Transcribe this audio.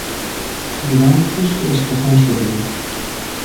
توران پوست و استخوان شده بود.